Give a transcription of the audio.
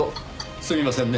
すみませんね